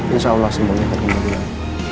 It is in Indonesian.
insya allah semuanya berjalan jalan